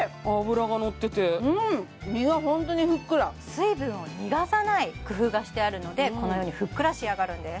水分を逃がさない工夫がしてあるのでこのようにふっくら仕上がるんです